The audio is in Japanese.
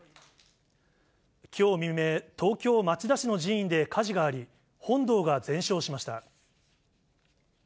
きょう未明、東京・町田市の寺院で火事があり、本堂が全焼しました。